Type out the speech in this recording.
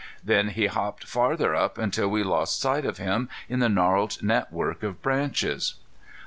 Then he hopped farther up until we lost sight of him in the gnarled net work of branches.